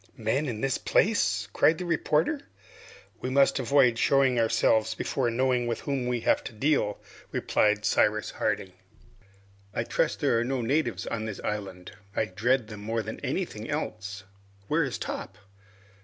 "Men in this place?" cried the reporter. "We must avoid showing ourselves before knowing with whom we have to deal," replied Cyrus Harding. "I trust that there are no natives on this island; I dread them more than anything else. Where is Top?"